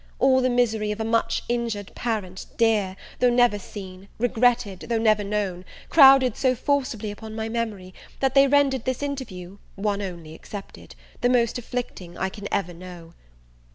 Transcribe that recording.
All the misery of a much injured parent, dear, though never seen, regretted, though never known, crowded so forcibly upon my memory, that they rendered this interview one only excepted the most afflicting I can ever know.